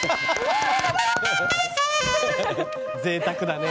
ぜいたくだね。